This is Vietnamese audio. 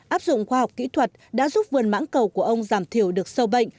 áp dụng khoa học kỹ thuật đã giúp vườn mãng cầu của ông giảm thiểu được sâu bệnh